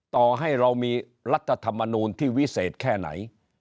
ต่อให้เรามีรัฐธรรมนูลที่วิเศษแค่ไหน